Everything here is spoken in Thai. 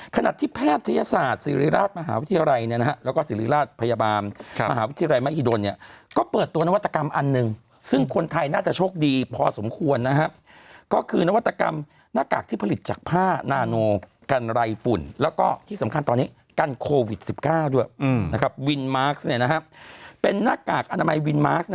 ขนาดที่แพทยศาสตร์ศิริราชมหาวิทยาลัยเนี่ยนะฮะแล้วก็ศิริราชพยาบาลมหาวิทยาลัยมหิดลเนี่ยก็เปิดตัวนวัตกรรมอันหนึ่งซึ่งคนไทยน่าจะโชคดีพอสมควรนะฮะก็คือนวัตกรรมหน้ากากที่ผลิตจากผ้านาโนกันไรฝุ่นแล้วก็ที่สำคัญตอนนี้กันโควิดสิบเก้าด้วยอืมนะครับวินมาร์